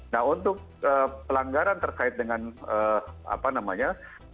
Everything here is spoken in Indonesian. nah untuk pelanggaran terkait dengan apa namanya